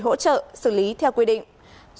hỗ trợ xử lý theo quy định